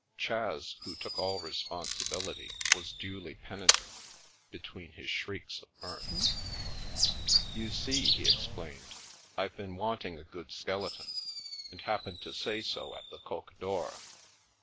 Chas, who took all responsibility, was duly penitent be tween his shrieks of mirth. " You see/' he explained, " I've been wanting a good skeleton, and happened to say so at the Coq d'Or.